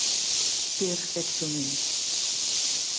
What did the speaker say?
Perfèctament.